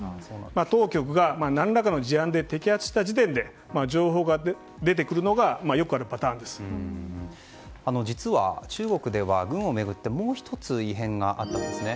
当局が何らかの事案で摘発した時点で情報が出てくるのが実は、中国では軍を巡ってもう１つ、異変があったんですね。